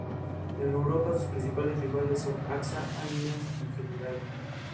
En Europa, sus principales rivales son Axa, Allianz y Generali.